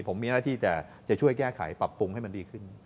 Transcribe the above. ผมมีหน้าที่จะช่วยแก้ไขปรับปรุงให้มันดีขึ้น